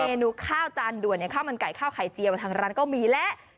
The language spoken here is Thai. เมนูข้าวจานด่วนอย่างข้าวมันไก่ข้าวไข่เจียวทางร้านก็มีแล้ว